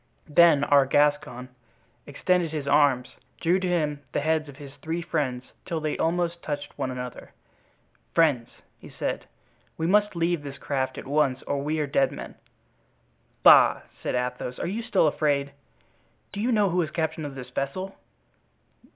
Then our Gascon, extending his arms, drew to him the heads of his three friends till they almost touched one another. "Friends," he said, "we must leave this craft at once or we are dead men." "Bah!" said Athos, "are you still afraid?" "Do you know who is captain of this vessel?"